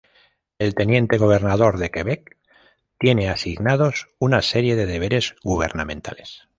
El Teniente Gobernador de Quebec tiene asignados una serie de deberes gubernamentales.